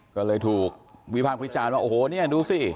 ก็เลยถูกวิพากษ์วิจารณ์ว่าโอ้โหเนี่ยดูสิ